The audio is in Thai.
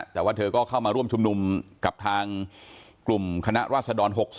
แต่ว่าเธอก็เข้ามาร่วมชุมนุมกับทางกลุ่มคณะราษฎร๖๒